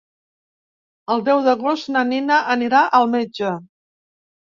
El deu d'agost na Nina anirà al metge.